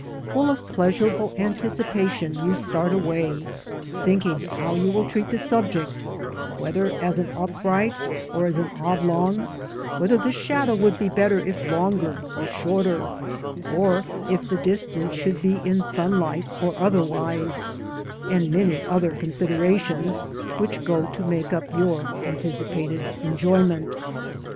Full of pleasurable anticipation you start away, thinking how you will treat the subject ; whether as an upright or an oblong, whether the shadow would be better if longer, or shorter, or if the distance should be in sunlight or otherwise, and many other considera tions which go to make up your anticipated enjoyment.